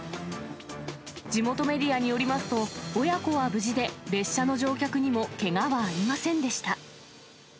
地元メディアによりますと、親子は無事で、列車の乗客にもけがはありませんでした。